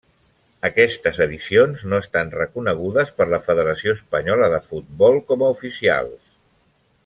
Aquestes edicions no estan reconegudes per la Federació Espanyola de Futbol com a oficials.